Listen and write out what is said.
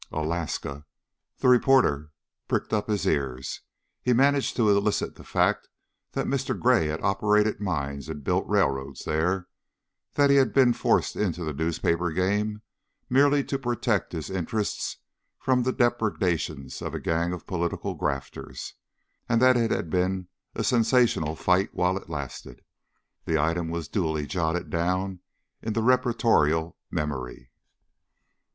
Alaska! The reporter pricked up his ears. He managed to elicit the fact that Mr. Gray had operated mines and built railroads there; that he had been forced into the newspaper game merely to protect his interests from the depredations of a gang of political grafters, and that it had been a sensational fight while it lasted. This item was duly jotted down in the reportorial memory.